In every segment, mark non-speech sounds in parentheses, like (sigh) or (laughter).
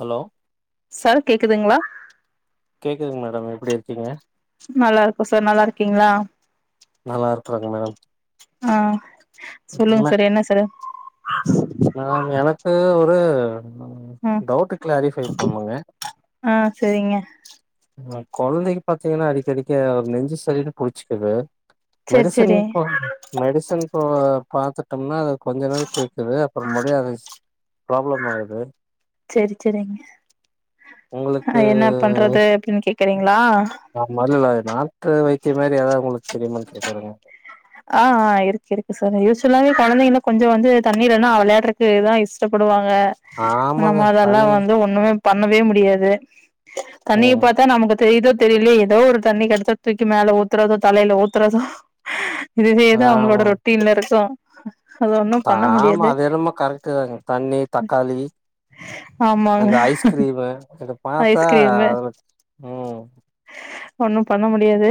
Hello sir கேக்குதுங்ளா கேக்குதுங் madam எப்டி இருக்கீங்க நல்லாருக்கோ சார் நல்லாருக்கீங்ளா நல்லா இருக்கறங்க மேடம் ஆ சொல்லுங்க சார் என்ன சார் நா எனக்கு ஒரு ம் டவுட்டு கிளாரிஃபை பண்ணுங்க ஆ சரிங்க ந கொழந்தைக்கு பாத்தீங்னா அடிக்கடிக்க ஒரு நெஞ்சு சளின்னு புடிச்சுக்குது சரி மெடிசன் சரி போ மெடிசன் போ பாத்துட்டோம்னா அது கொஞ்சொ நாள் கேக்குது ஒரு முடியாதது ஸ் ப்ராப்ளம் ஆகுது சரி சரிங்க உங்களுக்கு அ என்ன பண்றது அப்டின்னு கேக்கறீங்களா ஆமா அதுல நாட்டு வைத்திய மாரி எதாவ்து உங்ளுக்கு தெரியுமானு கேட்கறங்க ஆ ஆ இருக்கு இருக்கு சார் யூசுவல்லாவே கொழந்தைகன் கொஞ்சோ வந்து தண்ணீலன்னா விளையாட்றக்குதா இஷ்டப்படுவாங்க நம்ம ஆமாங்க அதெல்லா தண்ணி வந்து ஒண்ணுமே பண்ணவே முடியாது தண்ணிய ம் பாத்தா நமக்கு தெரியுதோ தெரியலையே எதோ ஒரு தண்ணி கெடச்சா தூக்கி மேல ஊத்றதோ தலைல ஊத்றதோ இதுவேதா அவ்ங்களோட ஆமா ரொட்டீன்ல இருக்கு அது ஒண்ணு பண்ண ஆமா முடியாது அது என்னமோ கரெக்ட்டு தாங் தண்ணி தக்காளி ஆமாங்க அந்த ஐஸ்கிரீமு இத பாத்தா ஐஸ்கிரீம் ம் ஒண்ணும் பண்ண முடியாது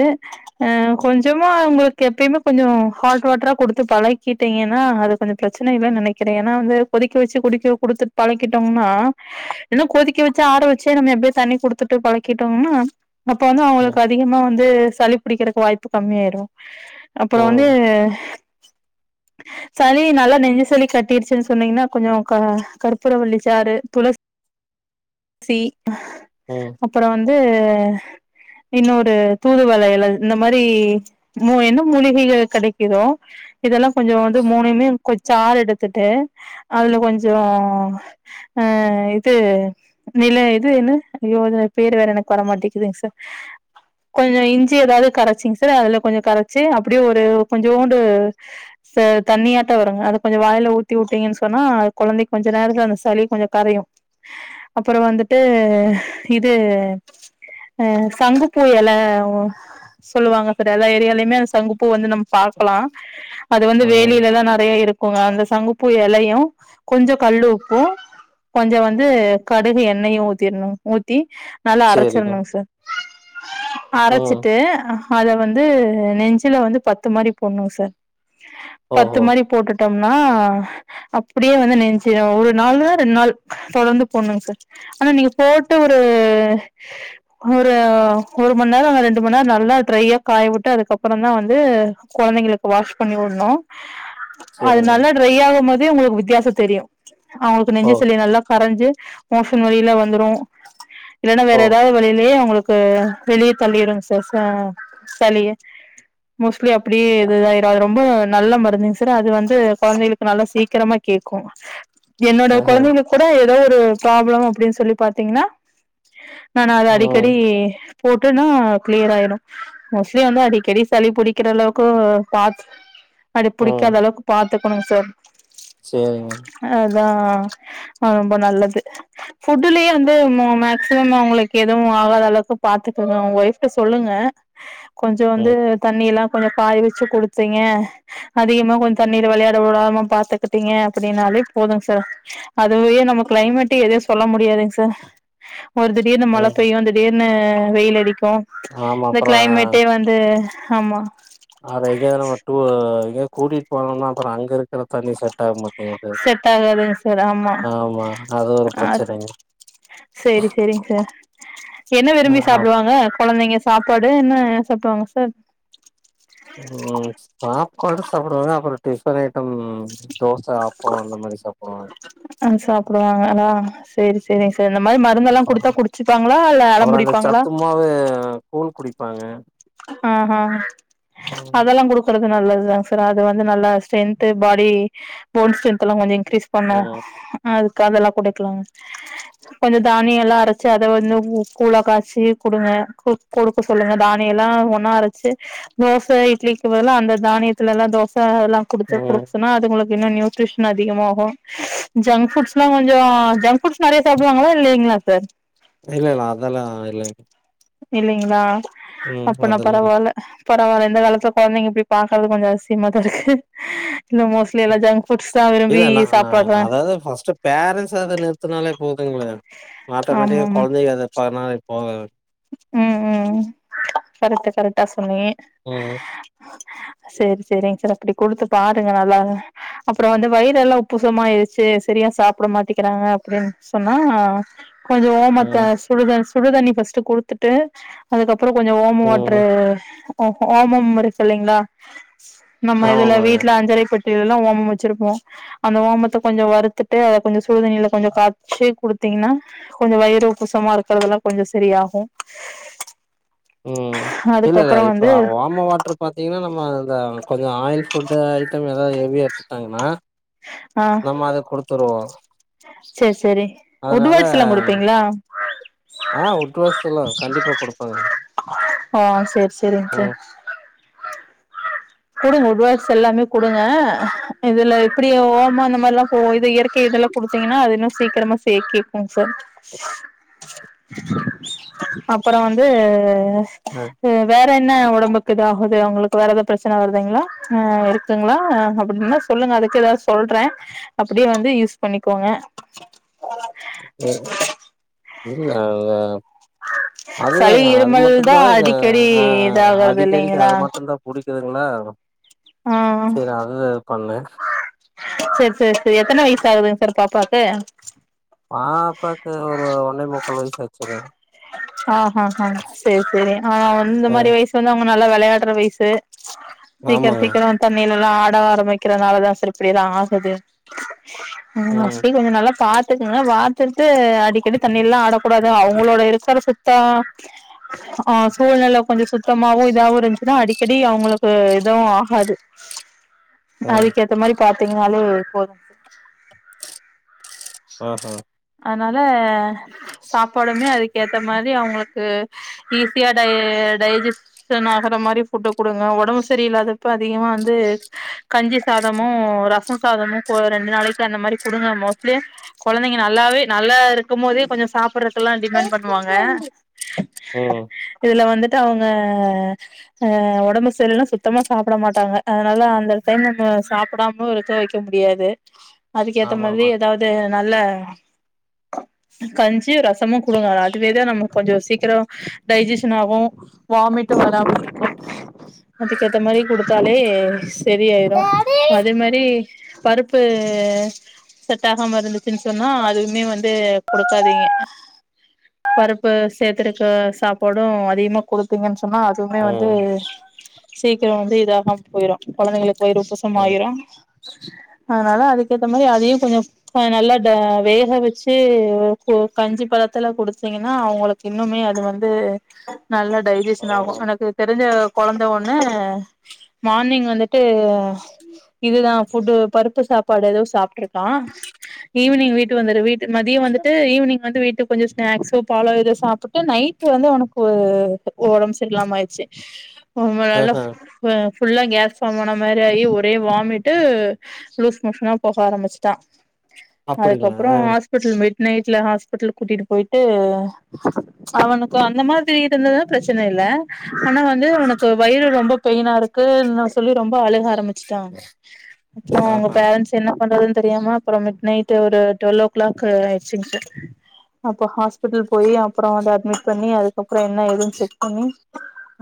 ஆ கொஞ்சமா உங்களுக்கு எப்பயுமே கொஞ்சோ ஹாட் வாட்ரா குடுத்து பழக்கிட்டீங்கனா அது கொஞ்சோ பிரச்சன இல்லைன் நெனைக்றே ஏன்னா வந்து கொதிக்க வச்சு குடிக்க குடுத்துட் பழக்கிட்டோம்னா ஏன்னா கொதிக்க வச்சு ஆற வச்சே நம்ம எப்டியே தண்ணி குடுத்துட்டு பழக்கிட்டோம்னா அப்ப வந்து ம் அவ்ங்களுக்கு அதிகமா வந்து சளி பிடிக்கிறக்கு வாய்ப்பு கம்மியாயிரு அப்றோ வந்து பிளாக் சளி நல்லா நெஞ்ச சளி கட்டிருச்சுன் சொன்னீங்னா கொஞ்சோ க கற்பூர வள்ளி சாறு துள பிளாக் சி அப்பற வந்து இன்னொரு தூதுவள எல இந்த மாரி மூ எந்த மூலிகைகள் கெடைக்குதோ இதெல்லா கொஞ்சோ வந்து மூணய்மே கொச் சாறு எடுத்துட்டு அதுல கொஞ்சோ ஆ இது நில இது என்ன அய்யோ அது பேர் வேற எனக்கு வர மாட்டிக்கிதுங் சார் பிளாக் கொஞ்சோ இஞ்சி எதாவ்து கரச்சிங் சார் அதுல கொஞ்சோ கரச்சு அப்டியே ஒரு கொஞ்சோன்டு சார் தண்ணியாட்டோ வருங்க அத கொஞ்சோ வாய்ல ஊத்தி வுட்டீங்கன் சொன்னா அது கொழந்தைக்கு கொஞ்ச நேரத்துல அந்த சளி கொஞ்சொ கரையு அப்பறோ வந்துட்டு இது ஆ சங்குப்பூ எல சொல்லுவாங்க சார் எல்லா ஏரியாலயுமே அந்த சங்குப்பூ வந்து நம்ம பாக்கலா அது வந்து ஆ வேலிலதா நறையா இருக்குங்க அந்த சங்குப்பூ எலயு கொஞ்சொ கல்லு உப்பூ கொஞ்சொ வந்து கடுகு எண்ணயு ஊத்திட்ணு ஊத்தி நல்லா சேரிங்க அரச்சர்ணுங் சார் ம் அரச்சிட்டு அத வந்து நெஞ்சுல வந்து பத்து மாரி போட்ணுங் சார் பிளாக் பத்து மாரி போட்டுட்டம்னா அப்டியே வந்து நெஞ்சுல ஒரு நாளு ரெண்டு நாள் தொடர்ந்து போட்ணுங்சார் ஆனா நீங்க போட்டு ஒரு ஒரு ஒரு மண் நேரோ ஆனா ரெண்டுமண் நேரோ நல்லா ட்ரையா காய வுட்டு அதுக்கப்றோ தா வந்து கொழந்தைங்களு க்கு வாஷ் பண்ணி வுட்ணு பிளாக் அது நல்லா ட்ரை ஆகும்போதே ஒங்களுக்கு வித்தியாசோ தெரியு அவுங்களுக்கு ஓ நெஞ்சு சளி நல்லா கரஞ்சு மோஷன் வழில‌ வந்துரு இல்லனா வேற ஓ எதா து அவுங்களுக்கு வெளிய தள்ளிடுங் ச ச சளிய மோஸ்ட்லி அப்டியே இதுதாயிடு அது ரொம்ப நல்ல மருந்துங் சார் அது வந்து கொழந்தைளு க்கு நல்லா சீக்கிரமா கேக்கு என்னோட ஆஹ கொழந்தைளுக் கூட எதோ ஒரு ப்ராப்ளம் அப்டின் சொல்லி பாத்தீங்கன்னா நான் அத அடிக்க ம் டி போட்டுன்னா க்ளியர் ஆயிடு மோஸ்ட்லி வந்து அடிக்கடி சளி புடிக்கிற அளவுக்கு பா சளி ம் புடிக்காதளவுக்கு பாத்துக்கணுங் சார் சேரிங்க அதா ஆ ரொம்ப நல்லது ஃபுட்லயே வந்து மோ மேக்சிமம் அவுங்களுக்கு எது வு ஆகாதளவுக்கு பாத்துக்கங்க ஒங்க ஒய்ஃப்ட்ட சொல்லுங்க கொஞ்சொ வந்து ம் தண்ணில்லா கொஞ்சோ காய வச்சு குடுத்தீங்க அதிகமா கொஞ்சோ தண்ணீல வெளயாட விடாம பாத்துக்கிட்டீங்க அப்டின்னாலே போது சார் அதுவே நம்ம கிளைமேட்டு எது சொல்ல முடியாதுங் சார் ஒரு திடீர்னு மழ ம் பெய்யு திடீர்னு வெயில் அடிக்கு ஆமா இந்த அப்றோ கிளைமேட்டே வந் து ஆமா அத எங்கயாது நம்ம டூ எங்கயாது கூட்டிட் போனம்னா அப்றோ அங்கருக்ற தண்ணி செட் ஆக மா செட் ஆகாதுங்க சார் ஆமா அது ஒரு அ பிரச்சனைங்க சேரி சேரிங் சார் என்ன ஆ விரும்பி ஆமா சாப்டுவாங்க கொழந்தைங்க சாப்பாடு என்ன சாப்டுவாங்க சார் ம் சாப்பாடு சாப்டுவாங்க அப்றோ டிஃபன் ஐட்டம் தோச அப்போம் அந்த மாரி சாப்டுவாங்க அத சாப்டுவாங்களா சேரி சேரிங் சார் இந்த மாரி மருந்தல்லா குடுத்தா குடிச்சுப்பாங்களா இல்ல அடம்புடிப்பாங்ளா மதியோ கூழ் குடிப்பாங்க ஆ ஹா ம் அதெல்லா குடுக் குறது நல்லதுதாங் சார் அது வந்து நல்லா ஸ்ட்ரென்து பாடி போன் ஸ்ட்ரென்த் எல்லா கொஞ்சொ இன்க்ரீஸ் பண்ணு ம் அதுக்கு அதெல்லா குடுக்லாங்க கொஞ்சொ தானியல்லா அரச்சு அத வந்து கூழா காச்சி குடுங்க குடுக்க சொல்லுங்க தான் ய எல்லா ஒன்னா அரச்சி தோச இட்லிக்கு பதுலா அந்த தானியத்துல எல்லா தோச அதெல்லாம் குடுத்து ம் குடுக்சொன்னா அது உங்களுக்கு இன்னு நியூட்ரிஷன் அதிகமாகு ஜங்க் ஃபுடஸ்ல்லா கொஞ்சொ ஜங்க் ஃபுட்ஸ் நறைய சாப்டுவாங்களா இல்லைங்ளா சார் இல்ல இல்ல அதெல்லா இல்லைங் இல்லிங்ளா அப்ப நா அதெல்லா இல்ல பரவால்ல பரவால்ல இந்த காலத்துல கொழந்தைங்க இப்டி பாக்கறது கொஞ்சோ அதிசயமா தா இருக்கு இல்ல மோஸ்ட்லி எல்லா ஜங்க் ஃபுடஸ் தா விரும்பி சாப்டாதா அது ஃபஸ்ட்ப் பேரன்ட்ஸ் அத நிறுத்துனாலே போதுங்ளே ஆட்டோமேட்டிக்கா ஆமாமா கொழந்தைக அத பனாலே போத ம் ம் ம் கரெக்டு கரெக்டா சொன்னிங்க ம் சேரி சேரிங் சார் அப்டி குடுத்து பாருங்க நல்லா அப்புறொ இந்த வயிறெல்லா உப்புசமாயிரிச்சு சரியா சாப்ட மாட்டிக்கிறாங்க அப்டின் சொன்னா கொஞ்சோ ஓமத்த ம் சுடுத சுடுதண்ணி ஃபர்ஸ்டு குடுத்துட்டு அதுக்கப்பறொ கொஞ்ச ஓம வாட்ரு ம் ஓமம்முருக்கு இல்லைங்ளா நம்ம இதுல ஆமாமாங்க வீட்ல அஞ்சரைப்பெட்டியிலல்லா ஓமம் வச்சிருப்போ அந்த ஓமத்த கொஞ்சொ வருத்துட்டு அத கொஞ்சோ சுடுதண்ணியில கொஞ்சொ காச்சி குடுத்தீங்கன்னா கொஞ்சோ வயிறு உப்புசமா இருக்கறதெல்லா கொஞ்ச சரியாகூ ம் இல்லல்ல இப்ப வந்து வாம வாட்ரு பா்த்தீங்கன்னா நம்ம இந்த கொஞ்ச ஆயில் ஃபுட்டு ஐட்டம் ஏதாவ்து ஹெவியா எடுத்துட்டாங்கன்னா ஆ நம்ம அத குடுத்துருவோ செரி செரி அதனால உடவட்ஸ்ல்லா குடுப்பீங்ளா ஆ உட்வசல்லா கண்டிப்பா குடுப்பங்க ஆ செர் செரிங்க சார் குடுங்க உட்வஸ் எல்லாமே குடுங்க இதுல எப்புடி ஓமொ இந்த மார்லா போ இது இயற்க் கை இதெல்லா குடுத்தீங்கன்னா அது இன்னு சீக்கிரமா சேக் கேக் குங் சார் அப்பறொ வந்து ந ம் வேற என்ன ஒடம்புக்கு இதாகுது அவுங்களுக்கு வேற எது பிரச்சன வருதுங்ளா அ இருக்குங்ளா அப்டின்னா சொல்லுங்க அதுக்கு எதாவ்து சொல்றே அப்டியே வந்து யூஸ் பண்ணிக்கோங்க (unintelligible) சளி அதுதாங்க அது இருமல் தா மட்டுந்தா அடிக்கடி ஆ ஆ இதாகறது அடிக்கடிக்கு இல்லைங்களா அது மட்டுந்தா புடிக்குதுங்ளா சரி அதுதா பண்ணே செரி செரி செரி எத்தன வயசு ஆகுதுங்க சார் பாப்பாக்கு ஆ பாப்பாக்கு ஒரு ஓன்னே முக்கால் வயசாச்சுங்க ஆஹ்ஹாஹா சரி சரி ஆ இந்த அ மாரி வயசு வந்து அவுங்க நல்லா வெளையாட்ற வயசு சீக்கர ஆமாங்க. சீக்கர தண்ணியில லல்லா ஆட ஆரம்பிக்கிறதுனாலதா சார் இப்டியெல்லா ஆகுது ம் மோஸ்லி கொஞ்சோ நல்லா பாத்துக்கங்க பாத்துட்டு அ அடிக்கடி தண்ணீர்ல்லா ஆடக்கூடாது அவுங்களோட இருக்கிற சுத்தா ஆ சூழ்நெல கொஞ்சொ சுத் சுத்தமாவு இதாவு இருந்துச்சுன்னா அடிக்கடி அவுங்களுக்கு எதுவு ஆகாது ம். அதுக்கேத் இது மாரி பாத்தீங்கன்னாலே ஒரு போது (inaudible) ஆஹா. அதனால சாப்பாடுமே அதுக்கேத்த மாரி அவங்களுக்கு ஈஸியா டை டைஜஸ்ட் னாகற மாரி ஃபுட்டு குடுங்க உடம்பு சரி இல்லாதப்ப அதிகமா வந்து கஞ்சி சாதமு ரச சாதமு ரெண்டு நாளைக்கு அந்த மாரி குடுங்கமோ கொழந்தைங்க நல்லாவே நல்லாருக்கு போதே கொஞ்சோ சாப்ட்ற ல்லா டிமாண்ட் பண்ணுவாங்க ம். இதுல வந்துட்டு அவங்க ஆ உடம்பு சரி இல்லனா சுத்தமா சாப்ட மாட்டாங்க அதனால அந்த டைம் நம்ம சாப்டாம இருக்க வக்க இருக்க முடியாது அதுக்கேத்த மாதிரி ஆமாமா. எதாவது நல்ல கஞ்சி ரசமு குடுங்க அதுவேதா நமக்கு கொஞ்சோ சீக்கிர டைஜஷன் ஆகு வாமிட்டு வராம இருக்கு அதுக்கேத்த மாரி குடுத்தாலே சரியாய்ரு அதே மாரி பருப்பு செட்டாகாம இருந்துச்சுன் சொன்னா அதுமே வந்து குடுக்காதீங்க பருப்பு சே்த்துருக்க சாப்பாடு அதிகமா குடுத்தீங்கன்னு சொன்னா எப்பதுவுமே ம், வந்து சீக்கிர வந்து இதாகாம போய்ரு கொழந்தைங்களுக்கு வயிறு உப்பசம் ம். ஆய்ரு அதனால அதுக்கேத்த மாதிரி அதையு கொஞ்சோ அத நல்லா தா வேக வச்சு கஞ்சி பதத்துல குடுத்தீங்கன்னா அவங்களுக் இன்னுமே அது வந்து நல்லா டைஜசன் ஆகு ஆமாமா. எனக்கு தெரிஞ்ச கொழந்த ஒன்னு மார்னிங் வந்துட்டு இதுதா ஃபுட்டு் பருப்பு சாப்பாடு எதோ சாப்ட்ருக்கு பா ஈவி்னிங் வீட்டு வந்துரு வீட்டு மதிய வந்துட்டு ஈவினிங் வந்து வீட்டுக் கொஞ்சோ ஸ்நாக்ஸோ பாலோ ஏதோ சாப்பிட்டு நைட்டு வந்து அவனுக்கு ஓடம்பு சரியில்லாம ஆயிச்சு உன் ஆஹா. மேலஃப் ஃபுல்லா கேஸ்ஃபார்மான மாரி ஆயி ஒரே வாமிட்டு லூஸ் மோஷனா போக ஆரம்பிச்சு தா அப்படிங்களா? அதுக்கப்பற அ. ஹாஸ்பிடல் மிட் நைட்ல ஹாஸ்பிடல் கூட்டிட்டு போயிட்டு அவனுக்கு அந்த மாதிரி இருந்ததுன்னு பிரச்சனை இல்ல ஆனா வந்து அவனுக்கு வயிறு ரொம்ப பெயினா இருக்குன் சொல்லி ரொம்ப அழுக ஆரம்பிச்சு ட்டா அப்பற அவங்க ஆஹா. பேரன்ஸ் என்ன பண்றதுன் தெரியாமா அப்ற மிட் நைட் ஒரு டுவெல் ஓ கிளாக் ஆயிடுச்சுங்க சார் அப்போ ஹாஸ்பிட்டல் போய் அப்பற வந்து அட்மிட் பண்ணி அது அப்பற என்ன ஏதுன் செக் பண்ணி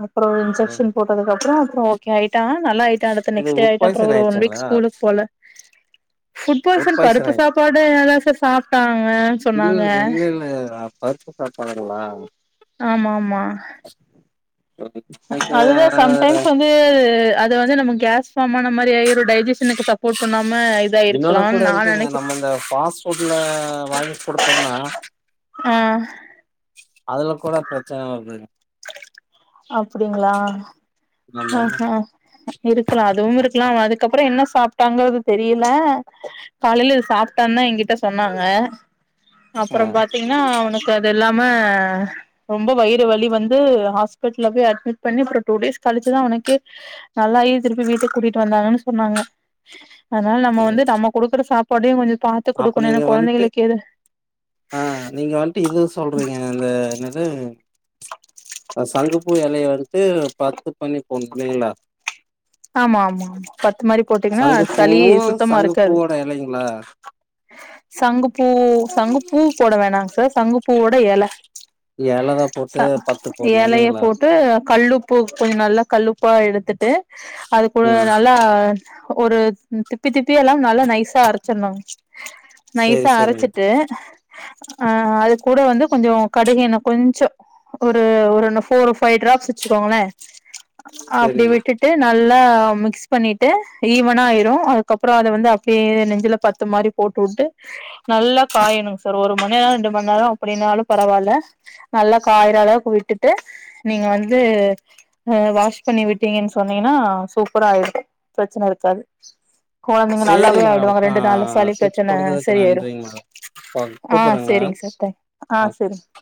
அப்பற ம். இன்செக்க்ஷன் போட்டு அதுக் அப்பற அப்ற ஓகே ஆய்ட்டா நல்லாய்ட்டா அடுத்த இது நெக்ஸ்ட் உட் ஆய்ட்ட அப்பற பாய்சன் ஒரு ஒன்வீக் ஆயிடுச்சுங்களா? ஸ்கூல் போல ஃபுட் உட் பாய்சன் பருப்பு ஆயிடுச்சு. சாப்பாடு அதா சார் சாப்ட்டாங்க இல் இல்ல இல்ல பருப்பு சாப்பாடுங்ளா ஆமா மா (inaudible) அதுவே சம் எனக்கு டைம்ஸ் வந்து து அது வந்து நம்ம கேஸ் ஃபாமான மாரி ஒரு டைஜசனுக்கு சப்போர்ட் பண்ணாம இதா இன்னொன்னு கூட இருக்கலான்னு நா இருக்குங்க நெனைக்கிறே நம்ம இந்த ஃபாஸ்ட் ஃபுட்ல வாங்கி குடுத்தோனா ஆ அதுல கூட பிரச்சன வருதுங்க அப்படிங்ளா ஹ ஆமாமா ஹ இருக்லா அதுவு இருக்லா அதுக்கப்றோ என்ன சாப்ட்டாங்க அது தெரியல காலைல இது சாப்ட்டானா என்கிட்ட சொன்னாங்க ஆ அப்புறோ பாத்தீங்கன்னா அவனுக் க அதுல்லாம ரொம்ப வயிறு வலி வந் து ஹாஸ்பிட்ல போய் அட்மிட் பண்ணி அப்புற டூ டேஸ் கழிச்சி தா அவனுக்கே நல்லாயி திருப்பி வீட்டுக்கு கூட்டிட்டு வந்தாங்கன்னு சொன்னாங்க அதனால நம்ம சேரி வந்து நம்ம குடுக்குற சாப்பாடையு கொஞ்ச பாத் து அப்ப குடுக்கணு ஏனா நீங்க வந்துட்டு கொழந்தைகளுக்கு எது ஆ நீங்க வந்துட்டு இது சொல்றீங்க அந்த என்னது அ சங்குப்பூ இலைய வந்துட்டு பத்து பண்ணி போடணு இல்லைங்களா ஆமா ஆமா ஆமா பத்து மாரி போட்டீங்கன்னா சளி சங்குப்பூவு சுத்தமா இருக்காது சங்குப்பூவோட இலைங்களா சங்குப்பூ சங்குப்பூ போட வேணாங் சார் சங்குப்பூவோட எல எலதா போட்டு பத்து போடணு இல்லைங்களா டு கல் உப்பு கொஞ்ஜ நல்ல கல் உப்பா எடுத்துட்டு அது கூட ம் நல்லா ஒரு திப்பி திப்பியா இல்லாம நல்லா நைசா அரச்சிடணு சேரி நைஸா சேரிங்க அரச்சிட்டு அ அது கூட வந்து கொஞ்ஜோ கடுகு எண்ண கொஞ்ஜோ ஒரு ஒரு ஃபோர் ஃபைவ் ட்ராப்ஸ் வச்சுக்கோங்களே அப்டி சேரிங்க விட்டு டு நல்லா மிக்ஸ் பண்ணிட்டு ஈவனா ஆயிரு அதுக்கப்புறோ அத வந்து அப்டியே நெஞ்சில பத்து மாரி போட்டுவுட்டு நல்லா காயணுங் சார் ஒரு மணி நேரோ ரெண்டு மணி நேரோ அப்டின்னாலு பரவால்ல நல்லா காய்ற அளவுக்கு விட்டுட்டு நீங்க வந்து அ வாஷ் பண்ணி விட்டீங்கன்னு சொன்னீங்கன்னா சூப்பரா ஆயிரு பிரச்சன இருக்காது கொழந்தைங்க நல்லாவே சேரிங்க மேடம் ஆயிடுவாங்க ரெண்டு நாள்ல ஆ சளி டிப்ஸ் பிரச்சன குடுத்ததுக்கு சரிஆயுரு நன்றிங்க மேடம் ஆ கூப்புட்றேங்க சேரிங்க மேடம் சார் தே ஆ சேரிங்க